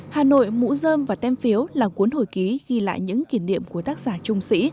hà nội mũ dơm và tem phiếu là cuốn hồi ký ghi lại những kỷ niệm của tác giả trung sĩ